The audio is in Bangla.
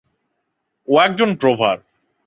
ও একজন ড্রোভার।